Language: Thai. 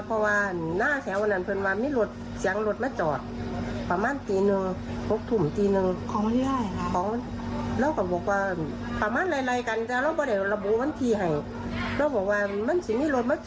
อย่างไรคะเขาไปเองไม่มีคนวาเขาไปไหม